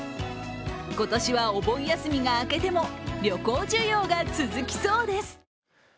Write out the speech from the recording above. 今年はお盆休みが明けても旅行需要が続きそうです。